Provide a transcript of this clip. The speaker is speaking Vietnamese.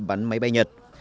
bắn máy bay nhật